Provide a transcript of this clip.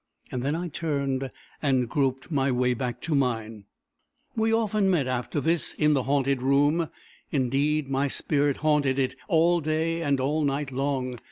Then I turned and groped my way back to mine. We often met after this in the haunted room. Indeed my spirit haunted it all day and all night long.